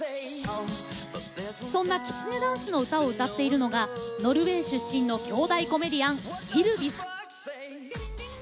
そんな、きつねダンスの歌を歌っているのがノルウェー出身の兄弟コメディアン、イルヴィス。